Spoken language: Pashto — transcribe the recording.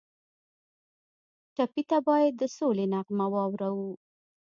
ټپي ته باید د سولې نغمه واورو.